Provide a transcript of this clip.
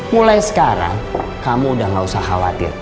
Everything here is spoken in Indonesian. mulai sekarang kamu udah gak usah khawatir